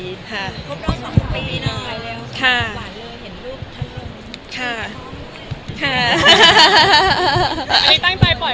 พบน้องสองสังผีนะ